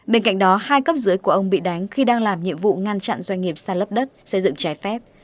bên cạnh đó hai cấp dưới của ông bị đánh khi đang làm nhiệm vụ ngăn chặn doanh nghiệp san lấp đất xây dựng trái phép